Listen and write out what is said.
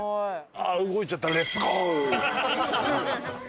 ああ動いちゃった。